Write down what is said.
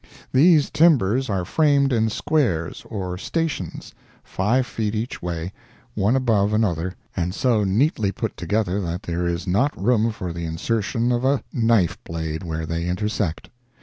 These timbers are framed in squares or "stations," five feet each way, one above another, and so neatly put together that there is not room for the insertion of a knife blade where they intersect.